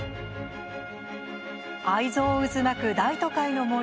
愛憎渦巻く大都会の森。